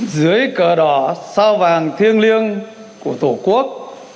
dưới cờ đỏ sao vàng thiêng liêng của tổ quốc